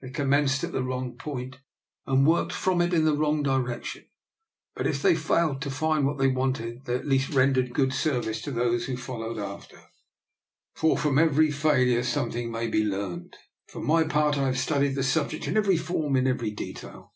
They commenced at the wrong point, and worked from it in the wrong di rection. But if they failed to find what they wanted, they at least rendered good service to those who followed after, for from every 6o I>R. NIKOLA'S EXPERIMENT. failure something may be learned. For my part I have studied the subject in every form, in every detail.